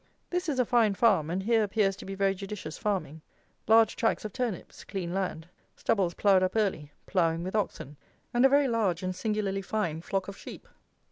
This is a fine farm, and here appears to be very judicious farming. Large tracts of turnips; clean land; stubbles ploughed up early; ploughing with oxen; and a very large and singularly fine flock of sheep.